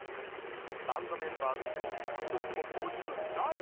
バンドメンバーとしても講師としても申し分ない。